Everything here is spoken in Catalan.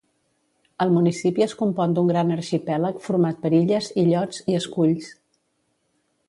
El municipi es compon d'un gran arxipèlag format per illes, illots i esculls.